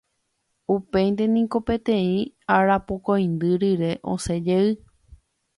Upéinte niko peteĩ arapokõindy rire osẽjey